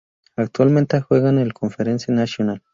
Actualmente juega en la Conference National.